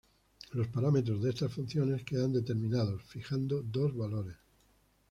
Los parámetros de estas funciones quedan determinados fijando dos valores.